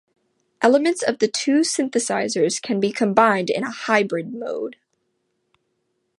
Elements of the two synthesizers can be combined in a "hybrid" mode.